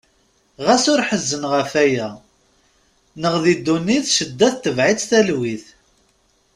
Ɣas ur ḥezzen ɣef aya. Neɣ di ddunit ccedda tebeε-itt talwit.